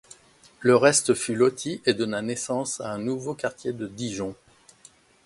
Le reste fut loti et donna naissance à un nouveau quartier de Dijon.